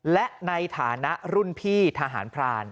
และในฐานะรุ่นพี่ทหารพราน